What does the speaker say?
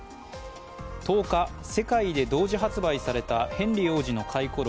１０日、世界で同時発売されたヘンリー王子の回顧録。